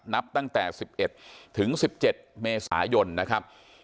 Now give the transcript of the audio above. นับตั้งแต่๑๑ถึง๑๗เมษายนนะครับ